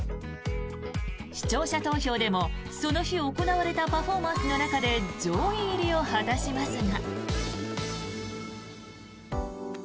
視聴者投票でも、その日行われたパフォーマンスの中で上位入りを果たしますが。